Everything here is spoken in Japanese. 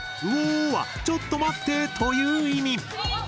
ウォーは「ちょっと待って」という意味。